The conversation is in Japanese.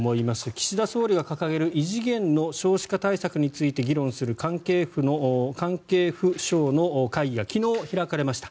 岸田総理が掲げる異次元の少子化対策について議論する関係府省の会議が昨日開かれました。